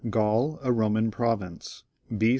Gaul a Roman Pbovincb (b.